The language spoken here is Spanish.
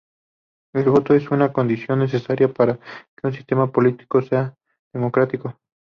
El voto es una condición necesaria para que un sistema político sea democrático.